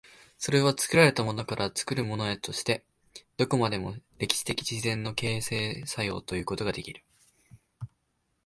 それは作られたものから作るものへとして、どこまでも歴史的自然の形成作用ということができる。